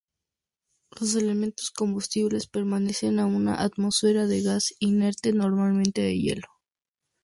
Los elementos combustibles permanecen en una atmósfera de gas inerte, normalmente de helio.